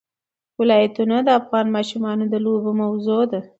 ولایتونه د افغان ماشومانو د لوبو موضوع ده.